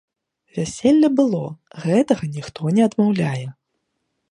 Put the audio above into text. Вяселле было, гэтага ніхто не адмаўляе.